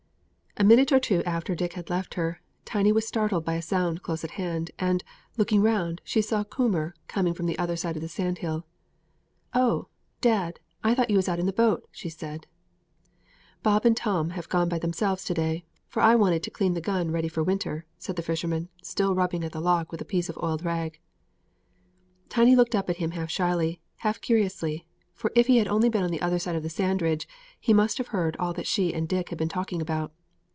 A minute or two after Dick had left her, Tiny was startled by a sound close at hand, and, looking round, she saw Coomber coming from the other side of the sandhill. "Oh, dad, I thought you was out in the boat," she said. [Illustration: "'I WANT YOU TO SING A BIT, WHILE I RUB AWAY AT THIS OLD GUN.'" (See page 81.)] "Bob and Tom have gone by themselves to day, for I wanted to clean the gun ready for winter," said the fisherman, still rubbing at the lock with a piece of oiled rag. Tiny looked up at him half shyly, half curiously, for if he had only been on the other side of the sand ridge, he must have heard all she and Dick had been talking about.